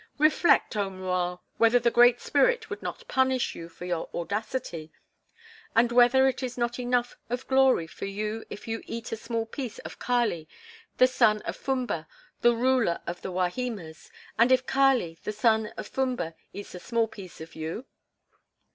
Reflect, oh, M'Rua, whether the Great Spirit would not punish you for your audacity, and whether it is not enough of glory for you if you eat a small piece of Kali, the son of Fumba, the ruler of the Wahimas, and if Kali, the son of Fumba, eats a small piece of you?"